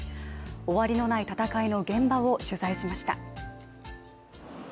終わりのない戦いの現場を取材しました。